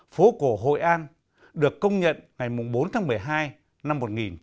phố cổ hội an được công nhận ngày bốn tháng một mươi hai năm một nghìn chín trăm bảy mươi